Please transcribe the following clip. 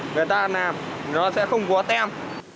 người ta làm nó sẽ không có tem